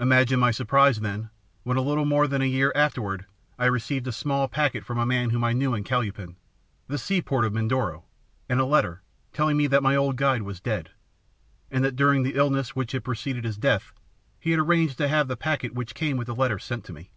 Imagine my surprise, then, when a little more than a year afterward, I received a small packet from a man whom I knew in Calupan, the seaport of Mindoro, and a letter, telling me that my old guide was dead, and that during the illness which had preceded his death he had arranged to have the packet which came with the letter sent to me.